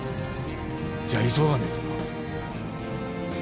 じゃあ急がねぇとな。